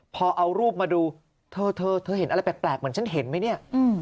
พอเอารูปมาดูเธอเธอเห็นอะไรแปลกเหมือนฉันเห็นไหมเนี่ย